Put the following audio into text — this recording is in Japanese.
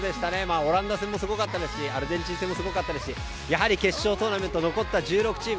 オランダ戦もすごかったですしアルゼンチン戦もすごかったですし決勝トーナメント残った１６チーム